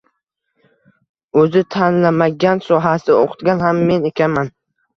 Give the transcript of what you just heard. O`zi tanlamagan sohasida o`qitgan ham men ekanman